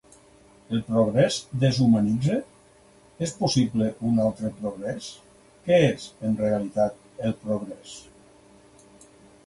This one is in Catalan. El progrés deshumanitza? És possible un altre progrés? Què és, en realitat, el progrés?